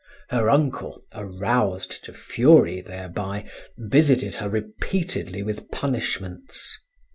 Her uncle, aroused to fury thereby, visited her repeatedly with punishments.